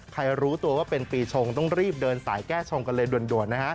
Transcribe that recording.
รู้ตัวว่าเป็นปีชงต้องรีบเดินสายแก้ชงกันเลยด่วนนะฮะ